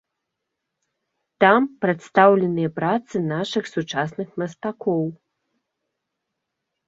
Там прадстаўленыя працы нашых сучасных мастакоў.